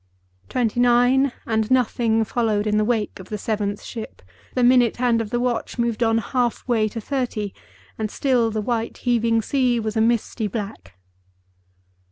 Twenty nine, and nothing followed in the wake of the seventh ship. The minute hand of the watch moved on half way to thirty, and still the white heaving sea was a misty blank.